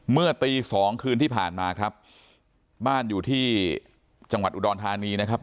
เมื่อตีสองคืนที่ผ่านมาครับบ้านอยู่ที่จังหวัดอุดรธานีนะครับ